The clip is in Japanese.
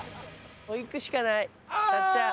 もういくしかないたっちゃん。